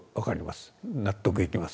納得いきます。